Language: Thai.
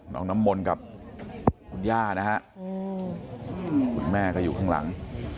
น้ำมนต์กับคุณย่านะฮะคุณแม่ก็อยู่ข้างหลัง